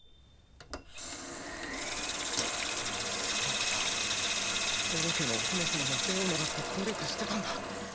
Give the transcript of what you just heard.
そうさ王家のお姫様のレオナだって努力してたんだ。